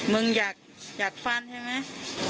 มึงอยากอยากฟันใช่มั้ย